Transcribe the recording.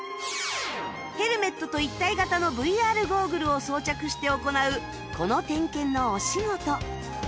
ヘルメットと一体型の ＶＲ ゴーグルを装着して行うこの点検のお仕事